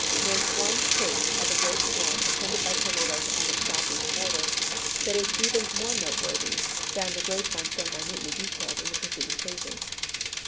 There is one case of a great storm attended by tornadoes on its southeast border, that is even more noteworthy than the great one so minutely detailed in the preceding pages.